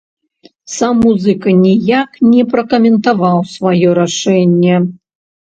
Сам музыка ніяк не пракаментаваў сваё рашэнне.